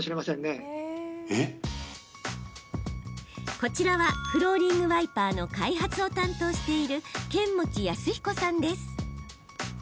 こちらはフローリングワイパーの開発を担当している釼持泰彦さんです。